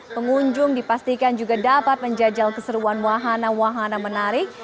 pengunjung dipastikan juga dapat menjajal keseruan wahana wahana menarik